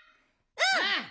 うん！